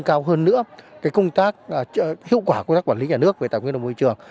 cái công tác hiệu quả của các quản lý nhà nước về tài nguyên đồng môi trường